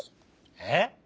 えっ？